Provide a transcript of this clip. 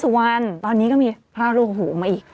สุวรรณตอนนี้ก็มีพระรูปหูมาอีก